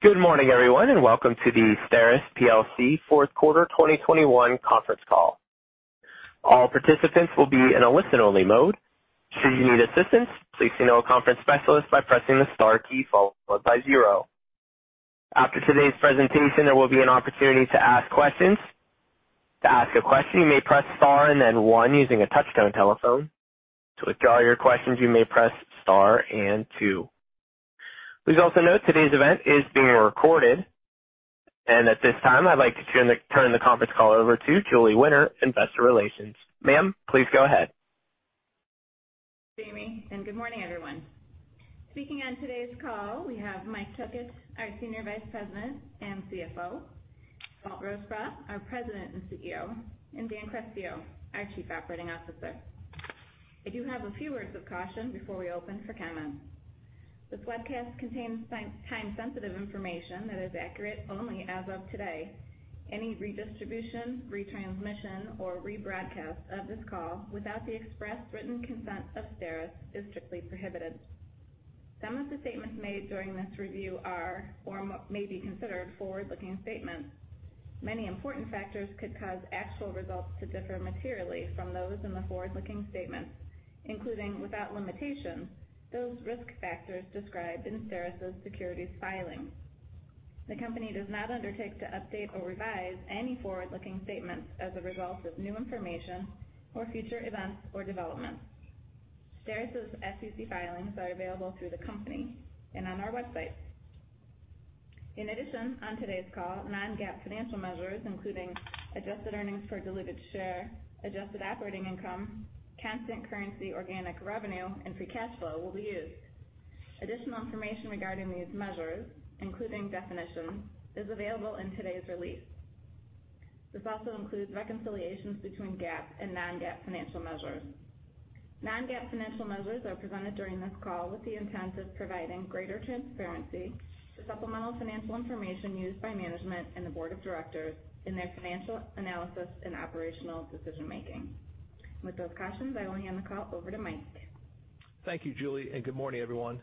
Good morning, everyone, and welcome to the STERIS PLC Fourth Quarter 2021 Conference Call. All participants will be in a listen-only mode. Should you need assistance, please contact a conference specialist by pressing the star key followed by zero. After today's presentation, there will be an opportunity to ask questions. To ask a question, you may press star and then one using a touch-tone telephone. To withdraw your questions, you may press star and two. Please also note today's event is being recorded, and at this time, I'd like to turn the conference call over to Julie Winter, Investor Relations. Ma'am, please go ahead. Jamie, and good morning, everyone. Speaking on today's call, we have Michael Tokich, our Senior Vice President and CFO, Walter Rosebrough, our President and CEO, and Daniel Carestio, our Chief Operating Officer. I do have a few words of caution before we open for comment. This webcast contains time-sensitive information that is accurate only as of today. Any redistribution, retransmission, or rebroadcast of this call without the express written consent of STERIS is strictly prohibited. Some of the statements made during this review are or may be considered forward-looking statements. Many important factors could cause actual results to differ materially from those in the forward-looking statements, including without limitation, those risk factors described in STERIS's securities filing. The company does not undertake to update or revise any forward-looking statements as a result of new information or future events or developments. STERIS' SEC filings are available through the company and on our website. In addition, on today's call, Non-GAAP financial measures, including adjusted earnings per diluted share, adjusted operating income, constant currency organic revenue, and free cash flow, will be used. Additional information regarding these measures, including definitions, is available in today's release. This also includes reconciliations between GAAP and Non-GAAP financial measures. Non-GAAP financial measures are presented during this call with the intent of providing greater transparency to supplemental financial information used by management and the board of directors in their financial analysis and operational decision-making. With those cautions, I will hand the call over to Mike. Thank you, Julie, and good morning, everyone.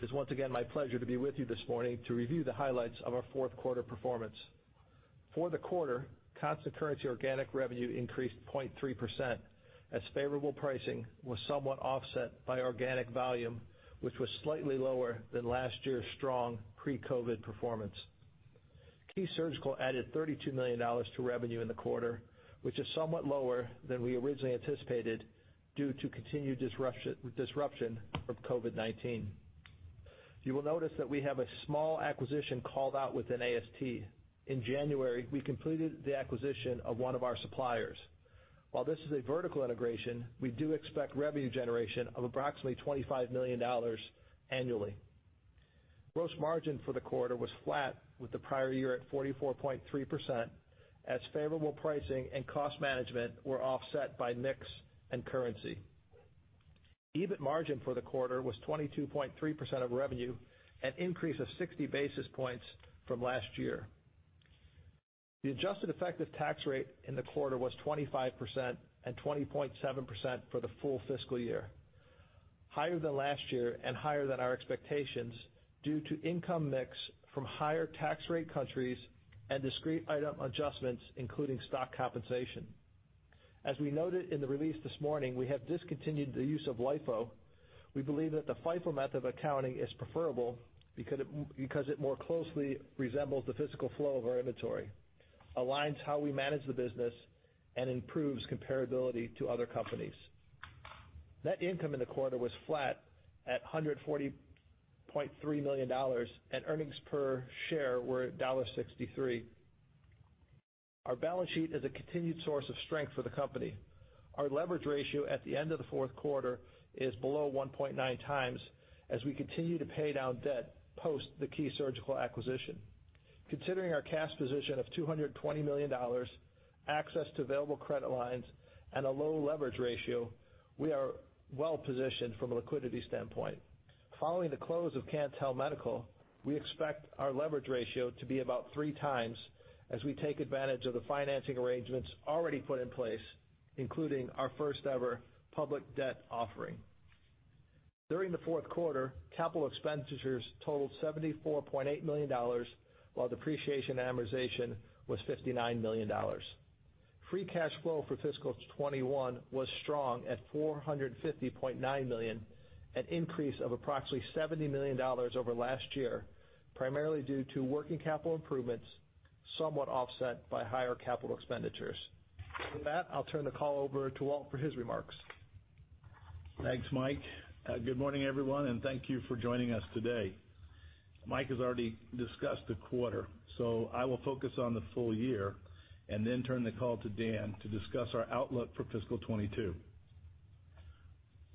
It's once again my pleasure to be with you this morning to review the highlights of our fourth quarter performance. For the quarter, constant currency organic revenue increased 0.3% as favorable pricing was somewhat offset by organic volume, which was slightly lower than last year's strong pre-COVID performance. Key Surgical added $32 million to revenue in the quarter, which is somewhat lower than we originally anticipated due to continued disruption from COVID-19. You will notice that we have a small acquisition called out within AST. In January, we completed the acquisition of one of our suppliers. While this is a vertical integration, we do expect revenue generation of approximately $25 million annually. Gross margin for the quarter was flat, with the prior year at 44.3%, as favorable pricing and cost management were offset by mix and currency. EBIT margin for the quarter was 22.3% of revenue, an increase of 60 basis points from last year. The adjusted effective tax rate in the quarter was 25% and 20.7% for the full fiscal year, higher than last year and higher than our expectations due to income mix from higher tax rate countries and discrete item adjustments, including stock compensation. As we noted in the release this morning, we have discontinued the use of LIFO. We believe that the FIFO method of accounting is preferable because it more closely resembles the physical flow of our inventory, aligns how we manage the business, and improves comparability to other companies. Net income in the quarter was flat at $140.3 million, and earnings per share were $1.63. Our balance sheet is a continued source of strength for the company. Our leverage ratio at the end of the fourth quarter is below 1.9 times as we continue to pay down debt post the Key Surgical acquisition. Considering our cash position of $220 million, access to available credit lines, and a low leverage ratio, we are well-positioned from a liquidity standpoint. Following the close of Cantel Medical, we expect our leverage ratio to be about three times as we take advantage of the financing arrangements already put in place, including our first-ever public debt offering. During the fourth quarter, capital expenditures totaled $74.8 million, while depreciation and amortization was $59 million. Free cash flow for fiscal 2021 was strong at $450.9 million, an increase of approximately $70 million over last year, primarily due to working capital improvements, somewhat offset by higher capital expenditures. With that, I'll turn the call over to Walt for his remarks. Thanks, Mike. Good morning, everyone, and thank you for joining us today. Mike has already discussed the quarter, so I will focus on the full year and then turn the call to Dan to discuss our outlook for fiscal 2022.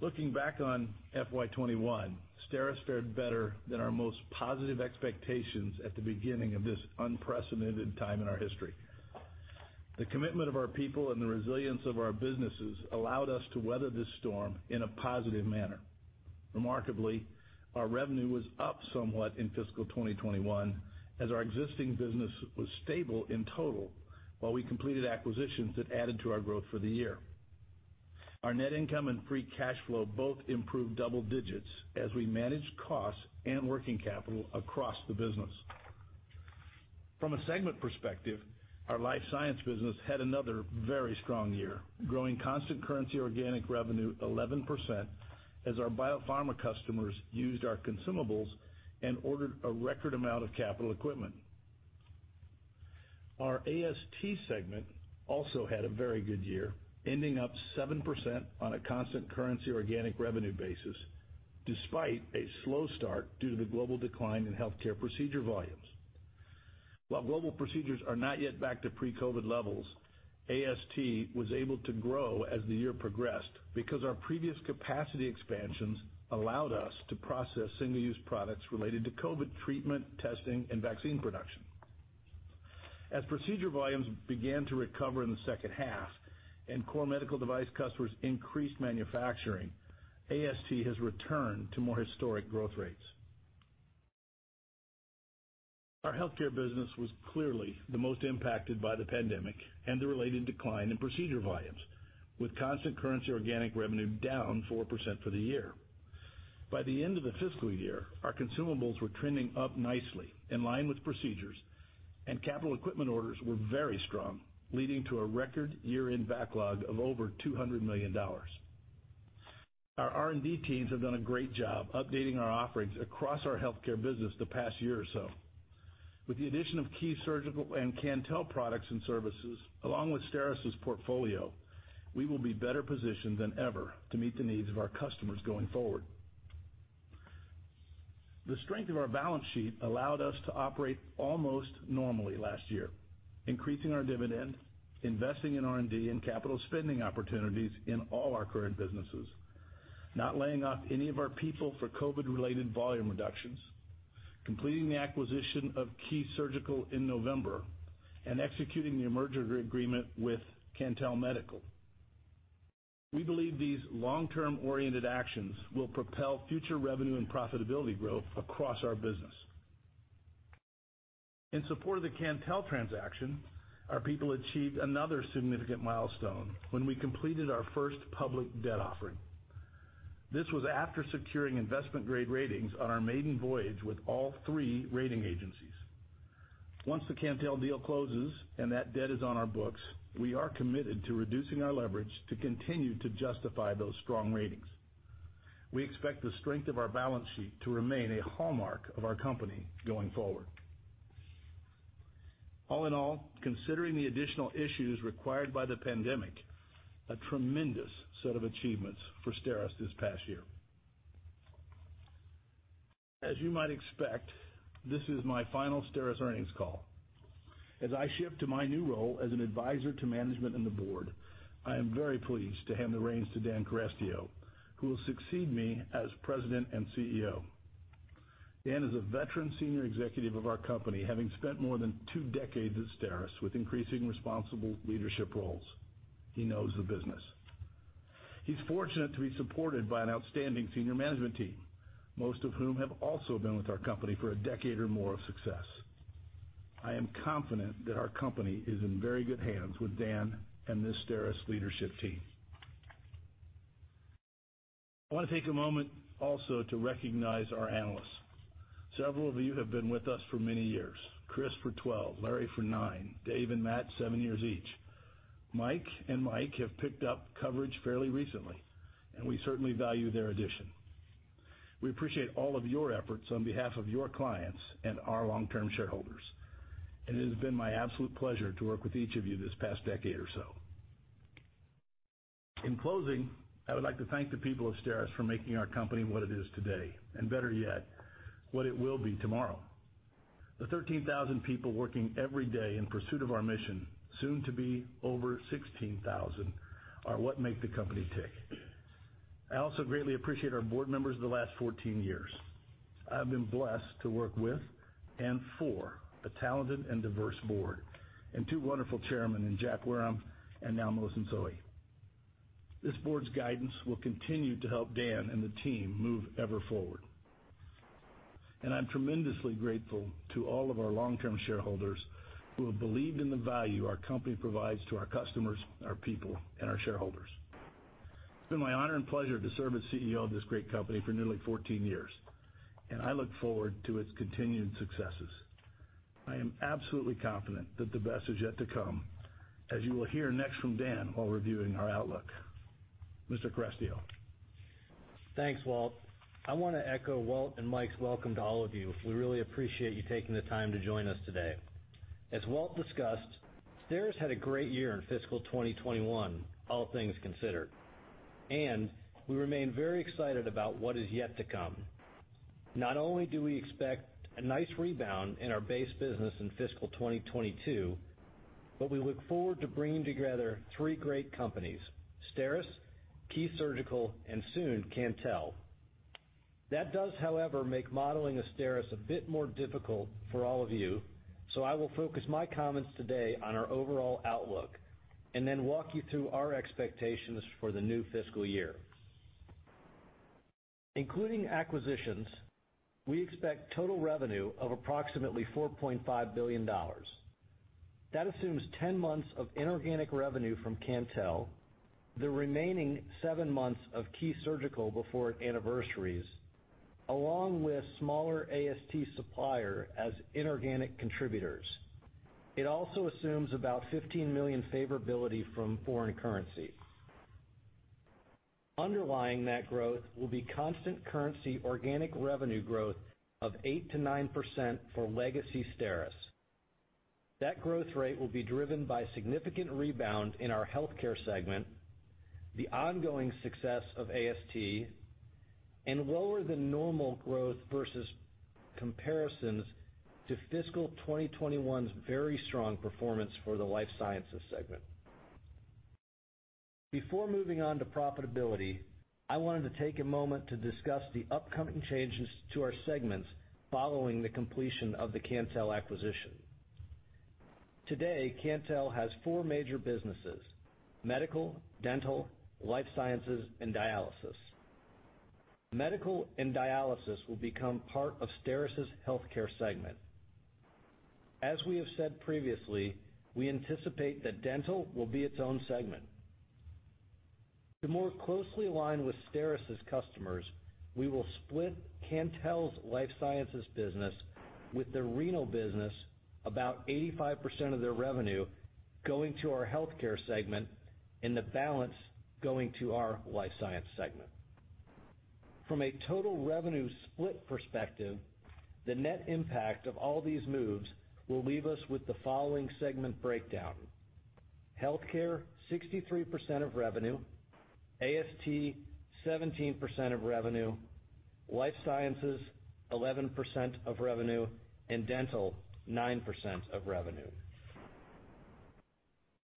Looking back on FY 2021, STERIS fared better than our most positive expectations at the beginning of this unprecedented time in our history. The commitment of our people and the resilience of our businesses allowed us to weather this storm in a positive manner. Remarkably, our revenue was up somewhat in fiscal 2021 as our existing business was stable in total while we completed acquisitions that added to our growth for the year. Our net income and free cash flow both improved double digits as we managed costs and working capital across the business. From a segment perspective, our life science business had another very strong year, growing constant currency organic revenue 11% as our biopharma customers used our consumables and ordered a record amount of capital equipment. Our AST segment also had a very good year, ending up 7% on a constant currency organic revenue basis despite a slow start due to the global decline in healthcare procedure volumes. While global procedures are not yet back to pre-COVID levels, AST was able to grow as the year progressed because our previous capacity expansions allowed us to process single-use products related to COVID treatment, testing, and vaccine production. As procedure volumes began to recover in the second half and core medical device customers increased manufacturing, AST has returned to more historic growth rates. Our healthcare business was clearly the most impacted by the pandemic and the related decline in procedure volumes, with constant currency organic revenue down 4% for the year. By the end of the fiscal year, our consumables were trending up nicely in line with procedures, and capital equipment orders were very strong, leading to a record year-end backlog of over $200 million. Our R&D teams have done a great job updating our offerings across our healthcare business the past year or so. With the addition of Key Surgical and Cantel products and services, along with STERIS's portfolio, we will be better positioned than ever to meet the needs of our customers going forward. The strength of our balance sheet allowed us to operate almost normally last year, increasing our dividend, investing in R&D, and capital spending opportunities in all our current businesses, not laying off any of our people for COVID-related volume reductions, completing the acquisition of Key Surgical in November, and executing the merger agreement with Cantel Medical. We believe these long-term oriented actions will propel future revenue and profitability growth across our business. In support of the Cantel transaction, our people achieved another significant milestone when we completed our first public debt offering. This was after securing investment-grade ratings on our maiden voyage with all three rating agencies. Once the Cantel deal closes and that debt is on our books, we are committed to reducing our leverage to continue to justify those strong ratings. We expect the strength of our balance sheet to remain a hallmark of our company going forward. All in all, considering the additional issues required by the pandemic, a tremendous set of achievements for STERIS this past year. As you might expect, this is my final STERIS earnings call. As I shift to my new role as an advisor to management and the board, I am very pleased to hand the reins to Daniel Carestio, who will succeed me as President and CEO. Dan is a veteran senior executive of our company, having spent more than two decades at STERIS with increasingly responsible leadership roles. He knows the business. He's fortunate to be supported by an outstanding senior management team, most of whom have also been with our company for a decade or more of success. I am confident that our company is in very good hands with Dan and this STERIS leadership team. I want to take a moment also to recognize our analysts. Several of you have been with us for many years: Chris for 12, Larry for nine, Dave and Matt, seven years each. Mike and Mike have picked up coverage fairly recently, and we certainly value their addition. We appreciate all of your efforts on behalf of your clients and our long-term shareholders. It has been my absolute pleasure to work with each of you this past decade or so. In closing, I would like to thank the people of STERIS for making our company what it is today, and better yet, what it will be tomorrow. The 13,000 people working every day in pursuit of our mission, soon to be over 16,000, are what make the company tick. I also greatly appreciate our board members of the last 14 years. I've been blessed to work with and for a talented and diverse board and two wonderful chairmen in Jack Wareham and now Mohsen Sohi. This board's guidance will continue to help Dan and the team move ever forward. And I'm tremendously grateful to all of our long-term shareholders who have believed in the value our company provides to our customers, our people, and our shareholders. It's been my honor and pleasure to serve as CEO of this great company for nearly 14 years, and I look forward to its continued successes. I am absolutely confident that the best is yet to come, as you will hear next from Dan while reviewing our outlook. Mr. Carestio. Thanks, Walt. I want to echo Walt and Mike's welcome to all of you. We really appreciate you taking the time to join us today. As Walt discussed, STERIS had a great year in fiscal 2021, all things considered, and we remain very excited about what is yet to come. Not only do we expect a nice rebound in our base business in fiscal 2022, but we look forward to bringing together three great companies: STERIS, Key Surgical, and soon Cantel. That does, however, make modeling of STERIS a bit more difficult for all of you, so I will focus my comments today on our overall outlook and then walk you through our expectations for the new fiscal year. Including acquisitions, we expect total revenue of approximately $4.5 billion. That assumes 10 months of inorganic revenue from Cantel, the remaining 7 months of Key Surgical before anniversaries, along with smaller AST supplier as inorganic contributors. It also assumes about $15 million favorability from foreign currency. Underlying that growth will be constant currency organic revenue growth of 8%-9% for legacy STERIS. That growth rate will be driven by significant rebound in our healthcare segment, the ongoing success of AST, and lower than normal growth versus comparisons to fiscal 2021's very strong performance for the life sciences segment. Before moving on to profitability, I wanted to take a moment to discuss the upcoming changes to our segments following the completion of the Cantel acquisition. Today, Cantel has four major businesses: medical, dental, life sciences, and dialysis. Medical and dialysis will become part of STERIS's healthcare segment. As we have said previously, we anticipate that dental will be its own segment. To more closely align with STERIS's customers, we will split Cantel's life sciences business with their renal business, about 85% of their revenue going to our healthcare segment and the balance going to our life science segment. From a total revenue split perspective, the net impact of all these moves will leave us with the following segment breakdown: healthcare 63% of revenue, AST 17% of revenue, life sciences 11% of revenue, and dental 9% of revenue.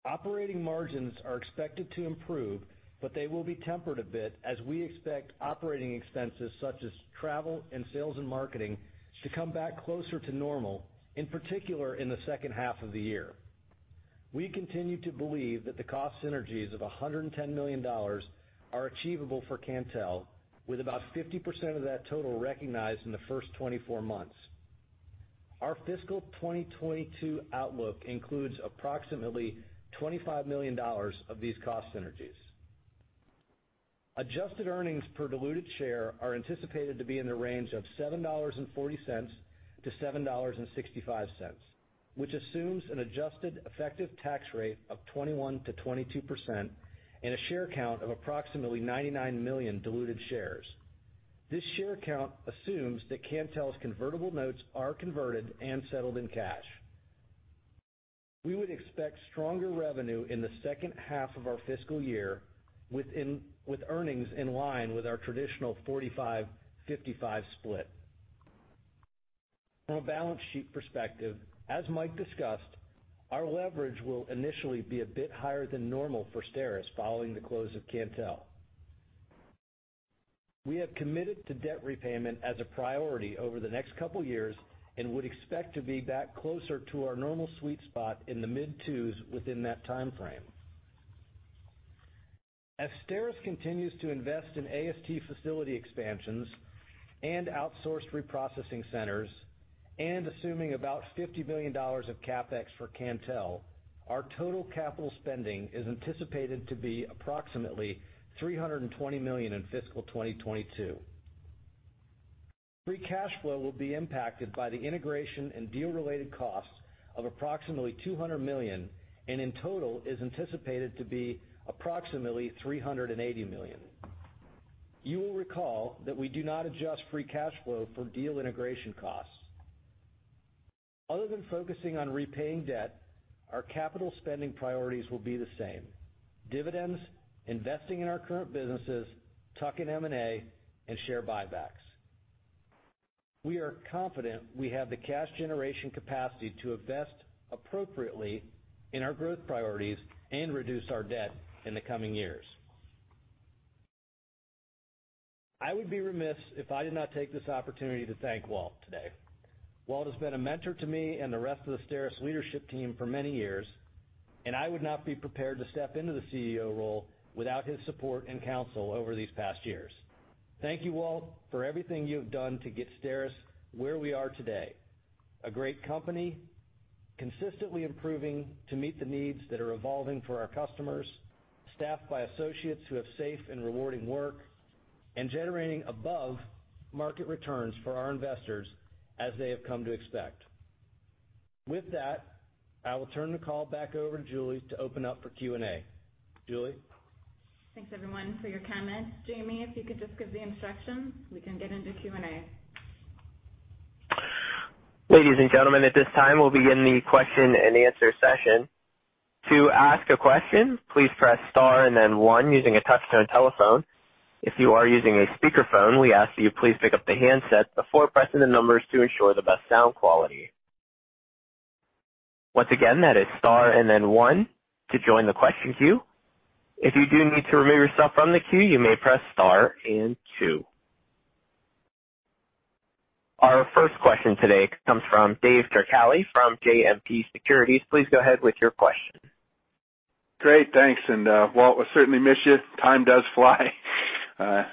Operating margins are expected to improve, but they will be tempered a bit as we expect operating expenses such as travel and sales and marketing to come back closer to normal, in particular in the second half of the year. We continue to believe that the cost synergies of $110 million are achievable for Cantel, with about 50% of that total recognized in the first 24 months. Our fiscal 2022 outlook includes approximately $25 million of these cost synergies. Adjusted earnings per diluted share are anticipated to be in the range of $7.40 to $7.65, which assumes an adjusted effective tax rate of 21 to 22% and a share count of approximately 99 million diluted shares. This share count assumes that Cantel's convertible notes are converted and settled in cash. We would expect stronger revenue in the second half of our fiscal year with earnings in line with our traditional 45/55 split. From a balance sheet perspective, as Mike discussed, our leverage will initially be a bit higher than normal for STERIS following the close of Cantel. We have committed to debt repayment as a priority over the next couple of years and would expect to be back closer to our normal sweet spot in the mid-2s within that timeframe. As STERIS continues to invest in AST facility expansions and outsourced reprocessing centers and assuming about $50 million of CapEx for Cantel, our total capital spending is anticipated to be approximately $320 million in fiscal 2022. Free cash flow will be impacted by the integration and deal-related costs of approximately $200 million and in total is anticipated to be approximately $380 million. You will recall that we do not adjust free cash flow for deal integration costs. Other than focusing on repaying debt, our capital spending priorities will be the same: dividends, investing in our current businesses, tuck-in M&A, and share buybacks. We are confident we have the cash generation capacity to invest appropriately in our growth priorities and reduce our debt in the coming years. I would be remiss if I did not take this opportunity to thank Walt today. Walt has been a mentor to me and the rest of the STERIS leadership team for many years, and I would not be prepared to step into the CEO role without his support and counsel over these past years. Thank you, Walt, for everything you have done to get STERIS where we are today: a great company, consistently improving to meet the needs that are evolving for our customers, staffed by associates who have safe and rewarding work, and generating above-market returns for our investors, as they have come to expect. With that, I will turn the call back over to Julie to open up for Q&A. Julie? Thanks, everyone, for your comments. Jamie, if you could just give the instructions, we can get into Q&A. Ladies and gentlemen, at this time, we'll begin the question-and-answer session. To ask a question, please press star and then one using a touch-tone telephone. If you are using a speakerphone, we ask that you please pick up the handset before pressing the numbers to ensure the best sound quality. Once again, that is star and then one to join the question queue. If you do need to remove yourself from the queue, you may press star and two. Our first question today comes from David Turkaly from JMP Securities. Please go ahead with your question. Great. Thanks. And, Walt, we'll certainly miss you. Time does fly. It's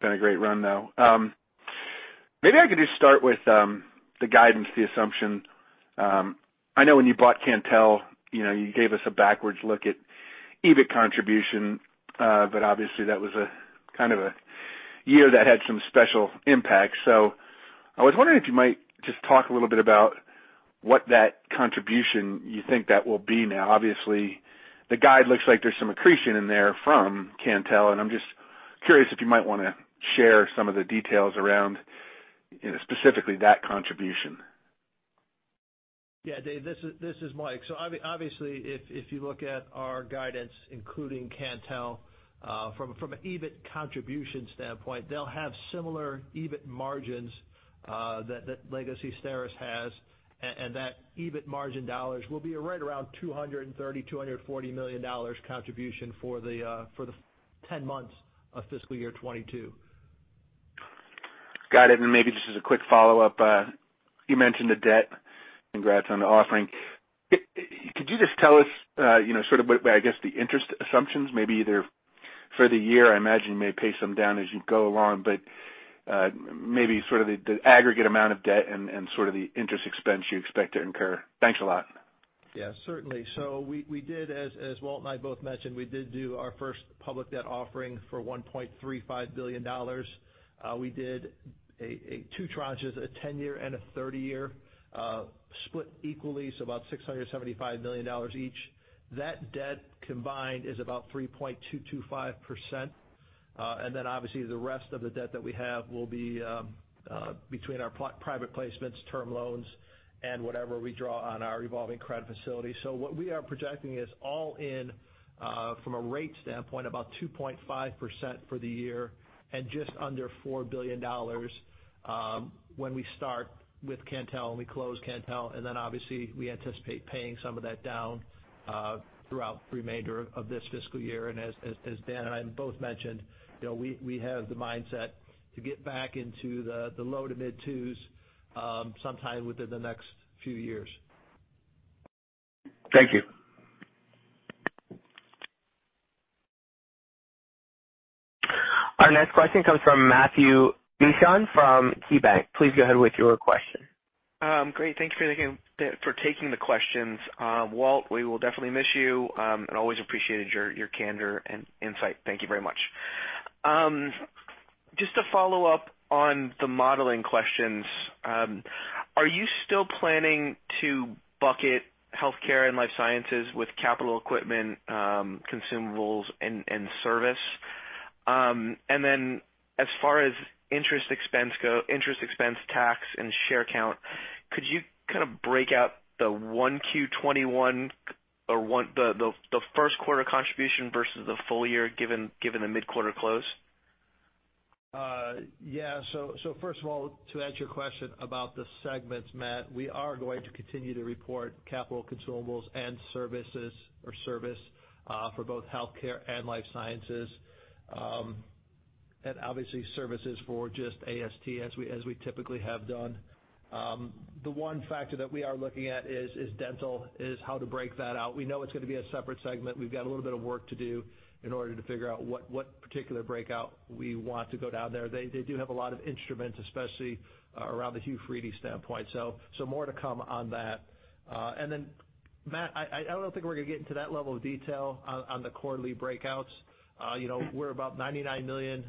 been a great run, though. Maybe I could just start with the guidance, the assumption. I know when you bought Cantel, you gave us a backwards look at EBIT contribution, but obviously, that was kind of a year that had some special impact. So I was wondering if you might just talk a little bit about what that contribution you think that will be now. Obviously, the guide looks like there's some accretion in there from Cantel, and I'm just curious if you might want to share some of the details around specifically that contribution. Yeah. This is Mike. So obviously, if you look at our guidance, including Cantel, from an EBIT contribution standpoint, they'll have similar EBIT margins that legacy STERIS has, and that EBIT margin dollars will be right around $230-$240 million contribution for the 10 months of fiscal year 2022. Got it. And maybe just as a quick follow-up, you mentioned the debt. Congrats on the offering. Could you just tell us sort of, I guess, the interest assumptions, maybe either for the year? I imagine you may pay some down as you go along, but maybe sort of the aggregate amount of debt and sort of the interest expense you expect to incur. Thanks a lot. Yeah. Certainly. So we did, as Walt and I both mentioned, we did do our first public debt offering for $1.35 billion. We did two tranches, a 10-year and a 30-year, split equally, so about $675 million each. That debt combined is about 3.225%. And then, obviously, the rest of the debt that we have will be between our private placements, term loans, and whatever we draw on our revolving credit facility. So what we are projecting is all in, from a rate standpoint, about 2.5% for the year and just under $4 billion when we start with Cantel and we close Cantel. And then, obviously, we anticipate paying some of that down throughout the remainder of this fiscal year. And as Dan and I both mentioned, we have the mindset to get back into the low to mid-2s sometime within the next few years. Thank you. Our next question comes from Matthew Mishan from KeyBanc. Please go ahead with your question. Great. Thank you for taking the questions. Walt, we will definitely miss you and always appreciated your candor and insight. Thank you very much. Just to follow up on the modeling questions, are you still planning to bucket healthcare and life sciences with capital equipment, consumables, and service? And then, as far as interest expense, tax and share count, could you kind of break out the 1Q21 or the first quarter contribution versus the full year given the mid-quarter close? Yeah. So first of all, to answer your question about the segments, Matt, we are going to continue to report capital consumables and services or service for both healthcare and life sciences and, obviously, services for just AST, as we typically have done. The one factor that we are looking at is dental, is how to break that out. We know it's going to be a separate segment. We've got a little bit of work to do in order to figure out what particular breakout we want to go down there. They do have a lot of instruments, especially around the Hu-Friedy standpoint. So more to come on that. And then, Matt, I don't think we're going to get into that level of detail on the quarterly breakouts. We're about 99 million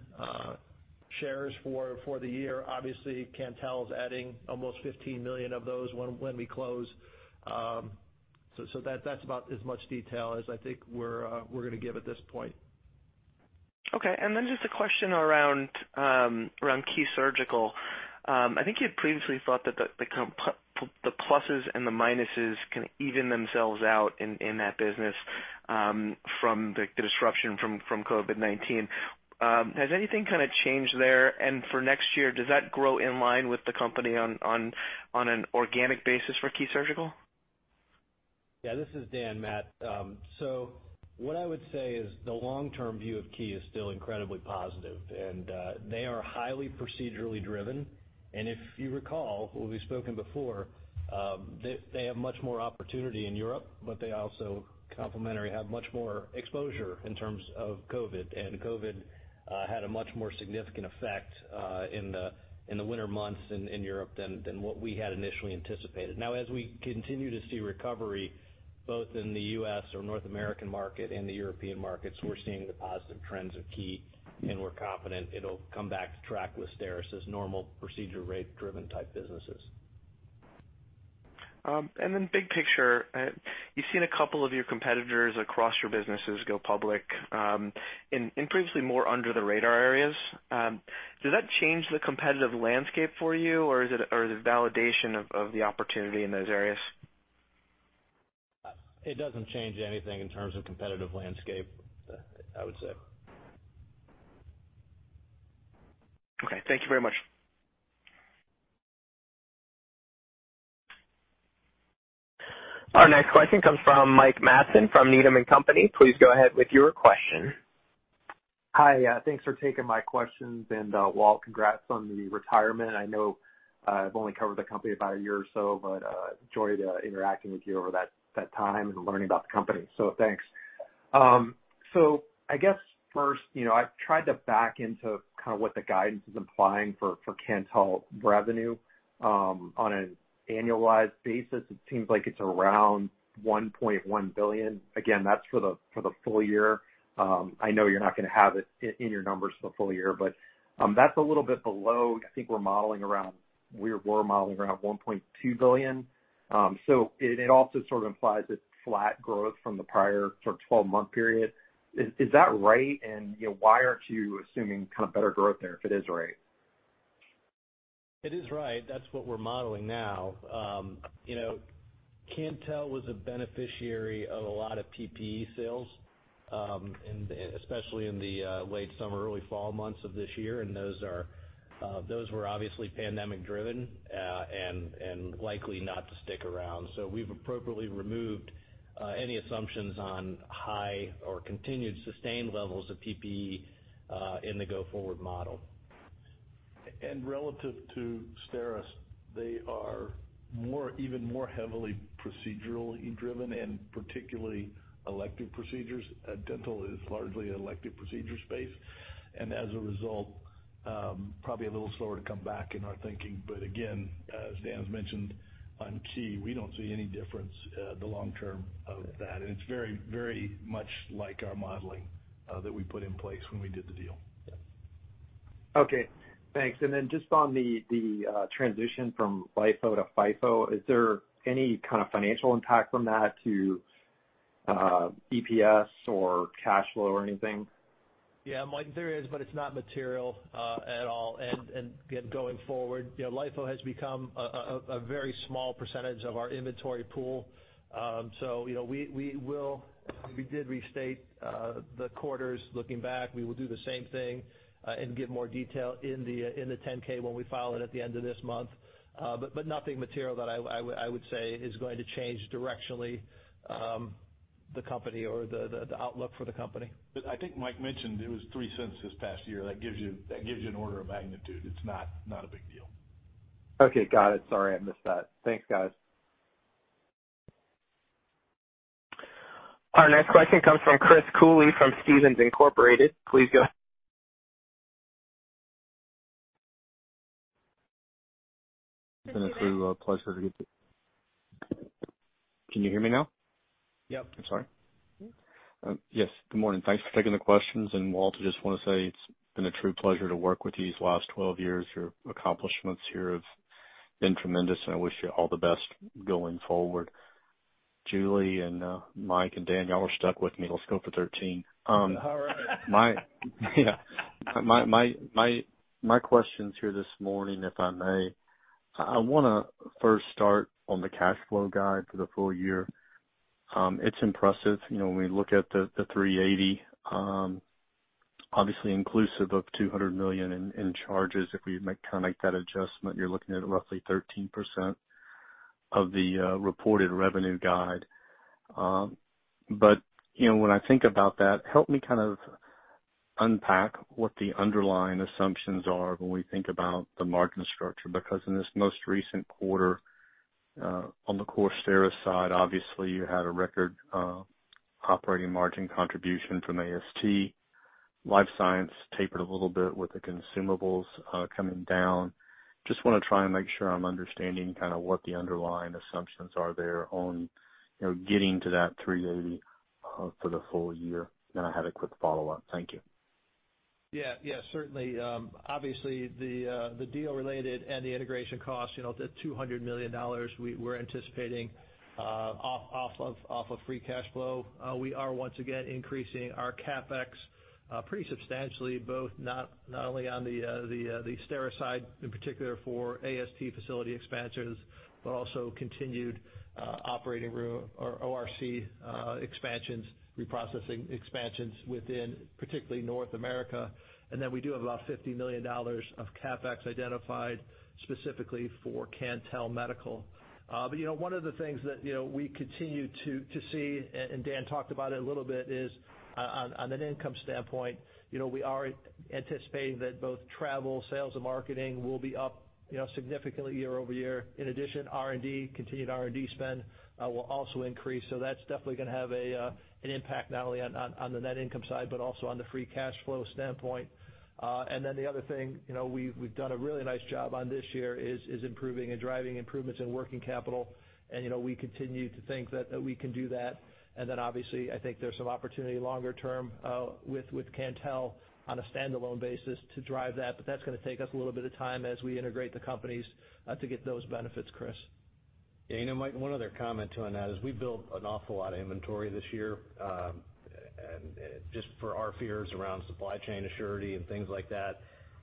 shares for the year. Obviously, Cantel is adding almost 15 million of those when we close. So that's about as much detail as I think we're going to give at this point. Okay. And then just a question around Key Surgical. I think you had previously thought that the pluses and the minuses can even themselves out in that business from the disruption from COVID-19. Has anything kind of changed there? And for next year, does that grow in line with the company on an organic basis for Key Surgical? Yeah. This is Dan, Matt. So what I would say is the long-term view of Key is still incredibly positive, and they are highly procedurally driven. And if you recall, we've spoken before, they have much more opportunity in Europe, but they also, complementary, have much more exposure in terms of COVID. And COVID had a much more significant effect in the winter months in Europe than what we had initially anticipated. Now, as we continue to see recovery both in the U.S. or North American market and the European markets, we're seeing the positive trends of Key, and we're confident it'll come back to track with STERIS as normal procedure rate-driven type businesses. And then big picture, you've seen a couple of your competitors across your businesses go public in previously more under-the-radar areas. Does that change the competitive landscape for you, or is it validation of the opportunity in those areas? It doesn't change anything in terms of competitive landscape, I would say. Okay. Thank you very much. Our next question comes from Michael Matson from Needham & Company. Please go ahead with your question. Hi. Thanks for taking my questions and, Walt, congrats on the retirement. I know I've only covered the company about a year or so, but enjoyed interacting with you over that time and learning about the company, so thanks. I guess first, I've tried to back into kind of what the guidance is implying for Cantel revenue on an annualized basis. It seems like it's around $1.1 billion. Again, that's for the full year. I know you're not going to have it in your numbers for the full year, but that's a little bit below. I think we're modeling around $1.2 billion. So it also sort of implies this flat growth from the prior sort of 12-month period. Is that right? And why aren't you assuming kind of better growth there if it is right? It is right. That's what we're modeling now. Cantel was a beneficiary of a lot of PPE sales, especially in the late summer, early fall months of this year, and those were obviously pandemic-driven and likely not to stick around, so we've appropriately removed any assumptions on high or continued sustained levels of PPE in the go-forward model. Relative to STERIS, they are even more heavily procedurally driven and particularly elective procedures. Dental is largely an elective procedure space. As a result, probably a little slower to come back in our thinking. Again, as Dan's mentioned on Key, we don't see any difference in the long term of that. It's very much like our modeling that we put in place when we did the deal. Okay. Thanks. And then just on the transition from LIFO to FIFO, is there any kind of financial impact from that to EPS or cash flow or anything? Yeah. There is, but it's not material at all. And going forward, LIFO has become a very small percentage of our inventory pool. So we did restate the quarters looking back. We will do the same thing and give more detail in the 10-K when we file it at the end of this month. But nothing material that I would say is going to change directionally the company or the outlook for the company. I think Mike mentioned it was $0.03 this past year. That gives you an order of magnitude. It's not a big deal. Okay. Got it. Sorry, I missed that. Thanks, guys. Our next question comes from Christopher Cooley from Stephens Inc. Please go ahead. It's been a true pleasure to get to. Can you hear me now? Yep. I'm sorry. Yes. Good morning. Thanks for taking the questions. And, Walt, I just want to say it's been a true pleasure to work with you these last 12 years. Your accomplishments here have been tremendous, and I wish you all the best going forward. Julie and Mike and Daniel are stuck with me. Let's go for 13. All right. Yeah. My questions here this morning, if I may, I want to first start on the cash flow guide for the full year. It's impressive. When we look at the $380 million, obviously inclusive of $200 million in charges, if we kind of make that adjustment, you're looking at roughly 13% of the reported revenue guide. But when I think about that, help me kind of unpack what the underlying assumptions are when we think about the margin structure. Because in this most recent quarter on the core STERIS side, obviously, you had a record operating margin contribution from AST. Life science tapered a little bit with the consumables coming down. Just want to try and make sure I'm understanding kind of what the underlying assumptions are there on getting to that $380 million for the full year. Then I have a quick follow-up. Thank you. Yeah. Yeah. Certainly. Obviously, the deal-related and the integration costs, the $200 million we're anticipating off of free cash flow. We are, once again, increasing our CapEx pretty substantially, both not only on the STERIS side, in particular for AST facility expansions, but also continued operating room or OR expansions, reprocessing expansions within, particularly, North America. And then we do have about $50 million of CapEx identified specifically for Cantel Medical. But one of the things that we continue to see, and Dan talked about it a little bit, is on an income standpoint, we are anticipating that both travel, sales, and marketing will be up significantly year over year. In addition, R&D, continued R&D spend will also increase. So that's definitely going to have an impact not only on the net income side, but also on the free cash flow standpoint. And then the other thing we've done a really nice job on this year is improving and driving improvements in working capital. And we continue to think that we can do that. And then, obviously, I think there's some opportunity longer term with Cantel on a standalone basis to drive that. But that's going to take us a little bit of time as we integrate the companies to get those benefits, Chris. Yeah. You know, Mike, one other comment too on that is we built an awful lot of inventory this year just for our fears around supply chain assurance and things like that.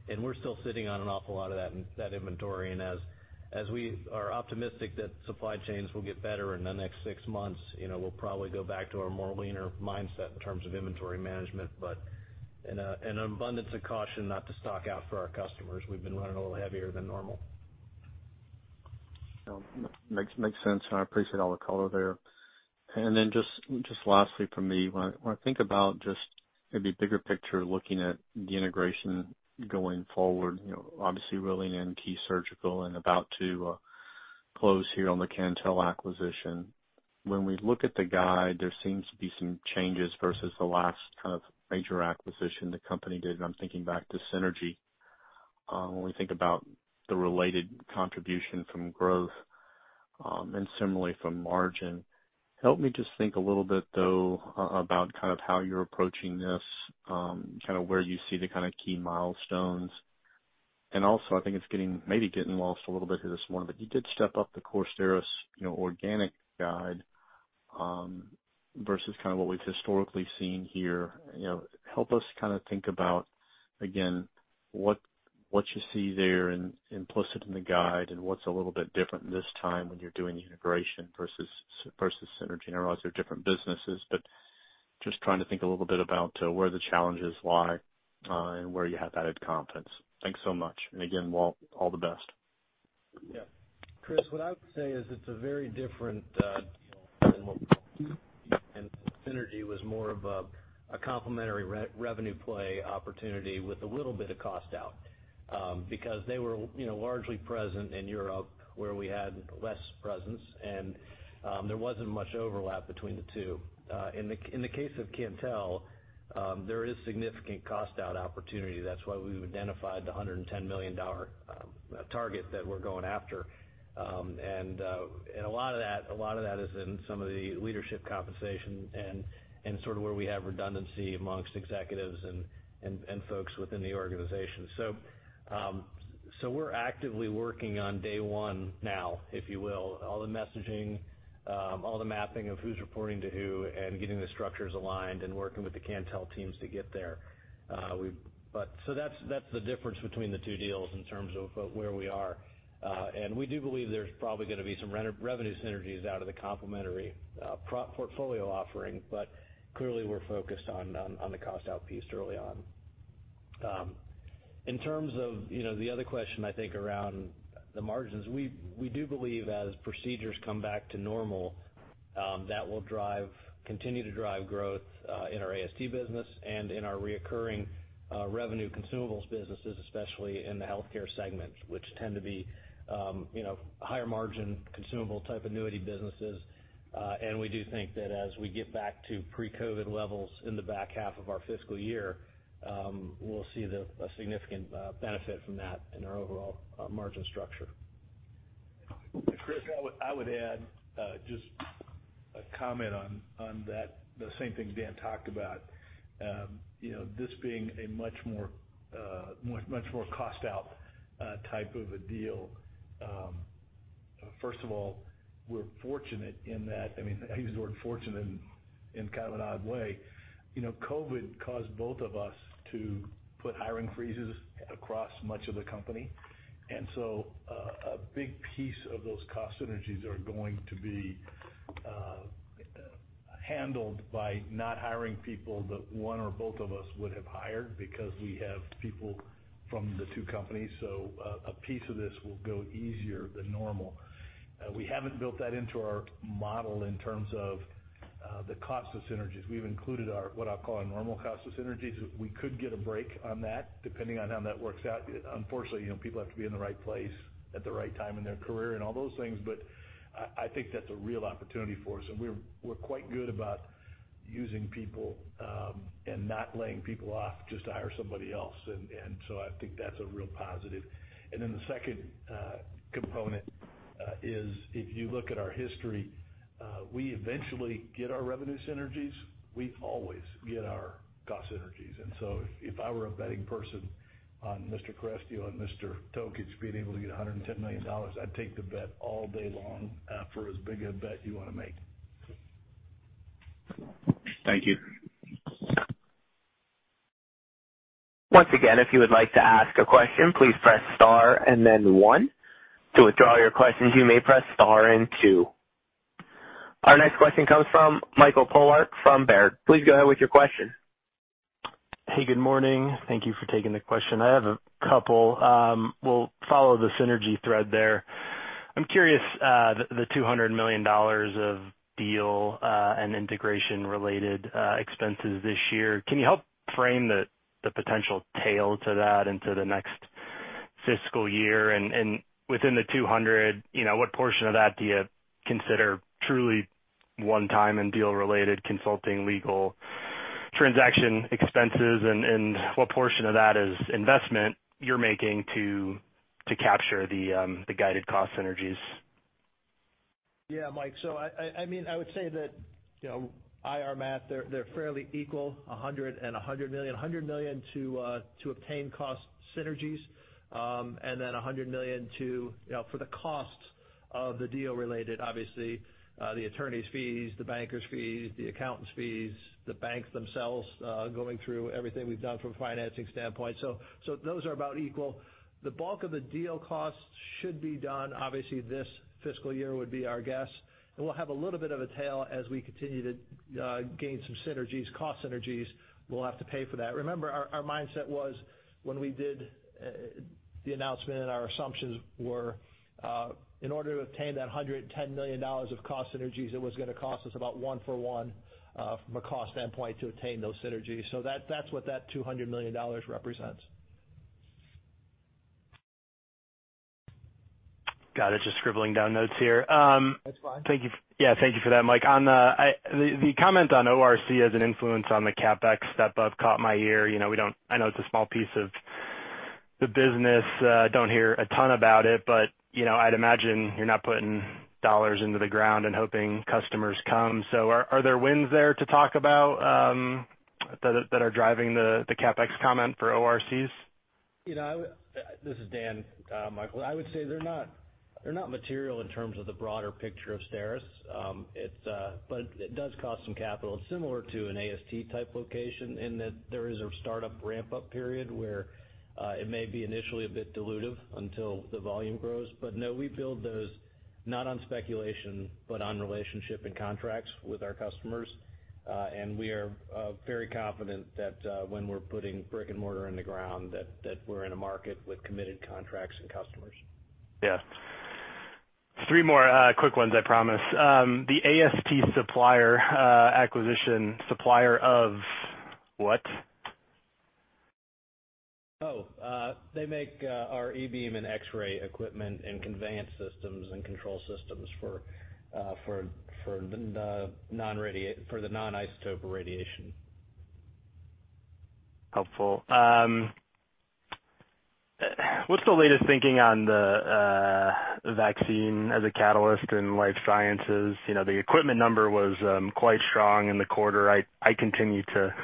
And we're still sitting on an awful lot of that inventory. And as we are optimistic that supply chains will get better in the next six months, we'll probably go back to our more leaner mindset in terms of inventory management, but in an abundance of caution not to stock out for our customers. We've been running a little heavier than normal. Makes sense. And I appreciate all the color there. And then just lastly for me, when I think about just maybe bigger picture looking at the integration going forward, obviously rolling in Key Surgical and about to close here on the Cantel acquisition, when we look at the guide, there seems to be some changes versus the last kind of major acquisition the company did. And I'm thinking back to Synergy when we think about the related contribution from growth and similarly from margin. Help me just think a little bit, though, about kind of how you're approaching this, kind of where you see the kind of key milestones. And also, I think it's maybe getting lost a little bit here this morning, but you did step up the core STERIS organic guide versus kind of what we've historically seen here. Help us kind of think about, again, what you see there implicit in the guide and what's a little bit different this time when you're doing the integration versus Synergy. I know there are different businesses, but just trying to think a little bit about where the challenges lie and where you have added confidence. Thanks so much, and again, Walt, all the best. Yeah. Chris, what I would say is it's a very different and Synergy was more of a complementary revenue play opportunity with a little bit of cost out because they were largely present in Europe where we had less presence, and there wasn't much overlap between the two. In the case of Cantel, there is significant cost out opportunity. That's why we've identified the $110 million target that we're going after. And a lot of that is in some of the leadership compensation and sort of where we have redundancy amongst executives and folks within the organization. So we're actively working on day one now, if you will, all the messaging, all the mapping of who's reporting to who and getting the structures aligned and working with the Cantel teams to get there. So that's the difference between the two deals in terms of where we are. And we do believe there's probably going to be some revenue synergies out of the complementary portfolio offering, but clearly, we're focused on the cost out piece early on. In terms of the other question, I think around the margins, we do believe as procedures come back to normal, that will continue to drive growth in our AST business and in our recurring revenue consumables businesses, especially in the healthcare segment, which tend to be higher margin consumable type annuity businesses. And we do think that as we get back to pre-COVID levels in the back half of our fiscal year, we'll see a significant benefit from that in our overall margin structure. Chris, I would add just a comment on the same thing Dan talked about, this being a much more cost out type of a deal. First of all, we're fortunate in that I mean, I use the word fortunate in kind of an odd way. COVID caused both of us to put hiring freezes across much of the company. And so a big piece of those cost synergies are going to be handled by not hiring people that one or both of us would have hired because we have people from the two companies. So a piece of this will go easier than normal. We haven't built that into our model in terms of the cost of synergies. We've included what I'll call a normal cost of synergies. We could get a break on that depending on how that works out. Unfortunately, people have to be in the right place at the right time in their career and all those things. But I think that's a real opportunity for us. And we're quite good about using people and not laying people off just to hire somebody else. And so I think that's a real positive. And then the second component is if you look at our history, we eventually get our revenue synergies. We always get our cost synergies. And so if I were a betting person on Mr. Tokich being able to get $110 million, I'd take the bet all day long for as big a bet you want to make. Thank you. Once again, if you would like to ask a question, please press star and then one. To withdraw your questions, you may press star and two. Our next question comes from Michael Polark from Baird. Please go ahead with your question. Hey, good morning. Thank you for taking the question. I have a couple. We'll follow the synergy thread there. I'm curious, the $200 million of deal and integration-related expenses this year, can you help frame the potential tail to that into the next fiscal year? And within the 200, what portion of that do you consider truly one-time and deal-related consulting legal transaction expenses? And what portion of that is investment you're making to capture the guided cost synergies? Yeah, Mike. So I mean, I would say that rough math, they're fairly equal, $100 million and $100 million. $100 million to obtain cost synergies and then $100 million for the cost of the deal-related, obviously, the attorney's fees, the banker's fees, the accountant's fees, the banks themselves going through everything we've done from a financing standpoint. So those are about equal. The bulk of the deal costs should be done, obviously, this fiscal year would be our guess. We'll have a little bit of a tail as we continue to gain some synergies, cost synergies. We'll have to pay for that. Remember, our mindset was when we did the announcement, our assumptions were in order to obtain that $110 million of cost synergies, it was going to cost us about one for one from a cost standpoint to obtain those synergies. So that's what that $200 million represents. Got it. Just scribbling down notes here. That's fine. Yeah. Thank you for that, Mike. The comment on ORC as an influence on the CapEx step-up caught my ear. I know it's a small piece of the business. Don't hear a ton about it, but I'd imagine you're not putting dollars into the ground and hoping customers come. So are there wins there to talk about that are driving the CapEx comment for ORCs? This is Dan, Michael. I would say they're not material in terms of the broader picture of STERIS, but it does cost some capital. It's similar to an AST type location in that there is a startup ramp-up period where it may be initially a bit dilutive until the volume grows. But no, we build those not on speculation, but on relationship and contracts with our customers. And we are very confident that when we're putting brick and mortar in the ground, that we're in a market with committed contracts and customers. Yeah. Three more quick ones, I promise. The AST supplier acquisition supplier of what? Oh, they make our E-beam and X-ray equipment and conveyance systems and control systems for the non-isotope radiation. Helpful. What's the latest thinking on the vaccine as a catalyst in life sciences? The equipment number was quite strong in the quarter. I continue to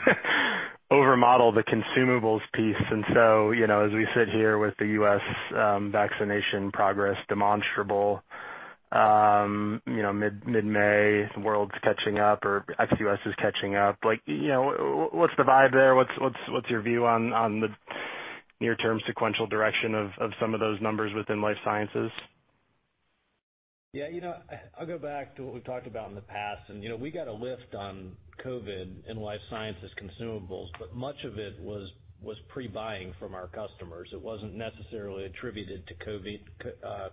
overmodel the consumables piece. And so as we sit here with the U.S. vaccination progress demonstrable mid-May, the world's catching up or ex-US is catching up. What's the vibe there? What's your view on the near-term sequential direction of some of those numbers within life sciences? Yeah. I'll go back to what we've talked about in the past, and we got a lift on COVID in life sciences consumables, but much of it was pre-buying from our customers. It wasn't necessarily attributed to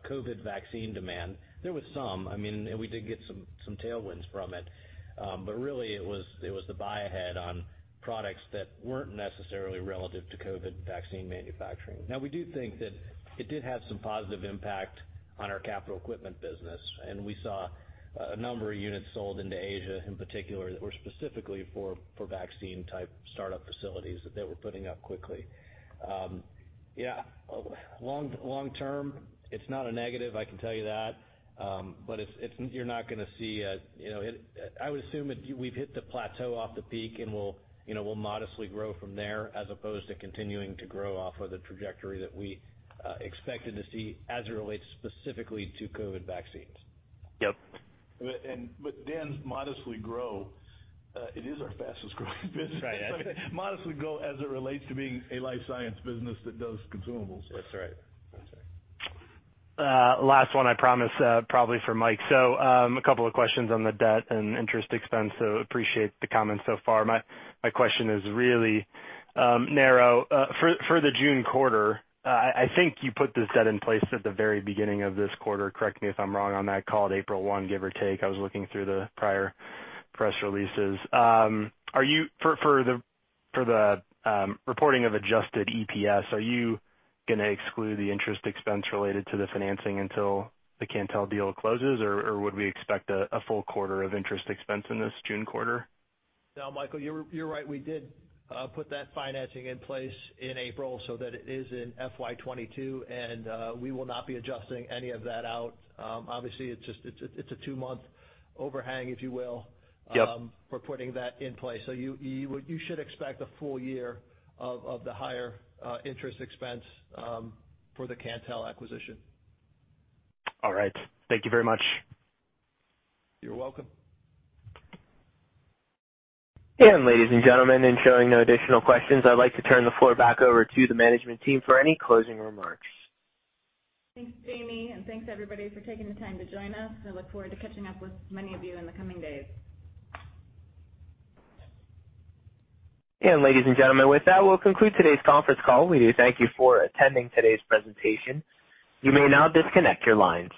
COVID vaccine demand. There was some. I mean, we did get some tailwinds from it, but really, it was the buy ahead on products that weren't necessarily relative to COVID vaccine manufacturing. Now, we do think that it did have some positive impact on our capital equipment business, and we saw a number of units sold into Asia in particular that were specifically for vaccine-type startup facilities that they were putting up quickly. Yeah. Long term, it's not a negative, I can tell you that. But you're not going to see. I would assume we've hit the plateau off the peak, and we'll modestly grow from there as opposed to continuing to grow off of the trajectory that we expected to see as it relates specifically to COVID vaccines. Yep. But Dan's modestly growing, it is our fastest growing business. Modestly growing as it relates to being a life science business that does consumables. That's right. That's right. Last one, I promise, probably for Mike. So a couple of questions on the debt and interest expense. So appreciate the comments so far. My question is really narrow. For the June quarter, I think you put this debt in place at the very beginning of this quarter. Correct me if I'm wrong on that. Call it April 1, give or take. I was looking through the prior press releases. For the reporting of adjusted EPS, are you going to exclude the interest expense related to the financing until the Cantel deal closes, or would we expect a full quarter of interest expense in this June quarter? No, Michael, you're right. We did put that financing in place in April so that it is in FY22, and we will not be adjusting any of that out. Obviously, it's a two-month overhang, if you will, for putting that in place. So you should expect a full year of the higher interest expense for the Cantel acquisition. All right. Thank you very much. You're welcome. Ladies and gentlemen, in showing no additional questions, I'd like to turn the floor back over to the management team for any closing remarks. Thanks, Jamie. And thanks, everybody, for taking the time to join us. I look forward to catching up with many of you in the coming days. And ladies and gentlemen, with that, we'll conclude today's conference call. We do thank you for attending today's presentation. You may now disconnect your lines.